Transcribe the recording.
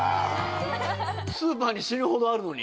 スーパーに死ぬほどあるのに？